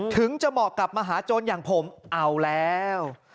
ถึงจะเหมาะกับมหาโจรอย่างผมเอาแล้ว